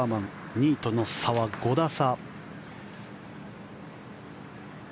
２位との差は５打差。